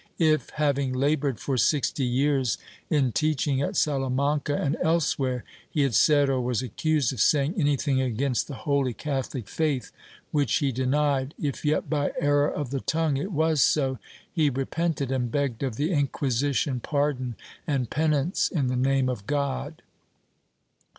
If, having labored for sixty years in teaching at Salamanca and elsewhere, he had said or was accused of saying anything against the holy Catholic faith, which he denied, if yet by error of the tongue it was so, he repented and begged of the Inquisition pardon and penance in the name of God.